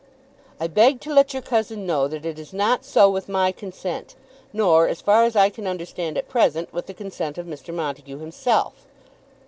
"I beg to let your cousin know that it is not so with my consent, nor, as far as I can understand at present, with the consent of Mr. Montague himself."